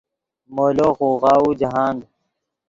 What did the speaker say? مولو خوغاؤو جاہند